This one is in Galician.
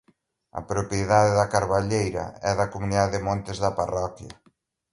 A propiedade da carballeira é da Comunidade de Montes da parroquia.